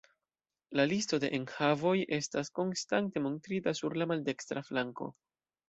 La listo de enhavoj estas konstante montrita sur la maldekstra flanko.